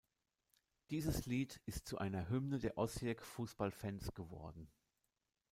Dieses Lied ist zu einer Hymne der Osijek-Fußballfans geworden.